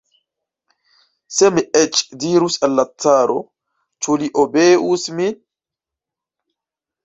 Se mi eĉ dirus al la caro, ĉu li obeus min?